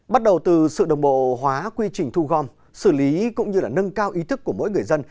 bắt đầu từ sự đồng bộ hóa quy trình thu gom xử lý cũng như là nâng cao ý thức của mỗi người dân